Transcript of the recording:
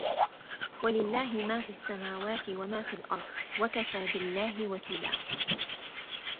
وَلِلَّهِ مَا فِي السَّمَاوَاتِ وَمَا فِي الْأَرْضِ وَكَفَى بِاللَّهِ وَكِيلًا